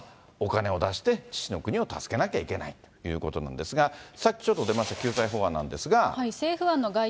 母の国っていうのは、お金を出して父の国を助けなきゃいけないということなんですが、さっきちょっと出ました、救済法案なんですが。